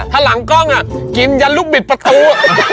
ถ้าหลังกล้องอ่ะกินอย่าลุบบิดประทู